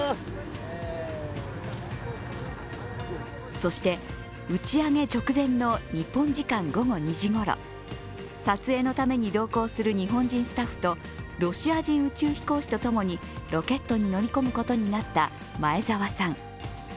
そして打ち上げ直前の日本時間午後２時ごろ、撮影のために同行する日本人スタッフとロシア人宇宙飛行士と共にロケットに乗り込むことになった前澤さん。